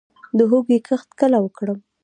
د هوږې کښت کله وکړم؟